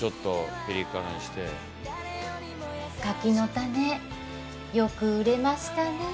「柿の種」よく売れましたねえ。